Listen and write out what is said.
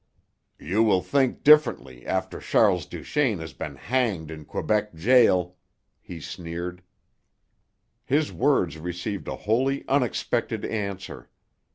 "You will think differently after Charles Duchaine has been hanged in Quebec jail," he sneered. His words received a wholly unexpected answer.